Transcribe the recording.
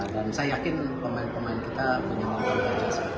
dan saya yakin pemain pemain kita menyelamatkan percasa